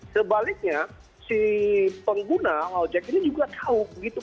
sebaliknya si pengguna law jeg ini juga tahu begitu